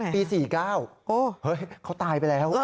ปี๔๙เขาตายไปแล้ว